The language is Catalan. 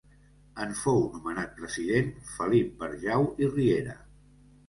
En fou nomenat president Felip Barjau i Riera.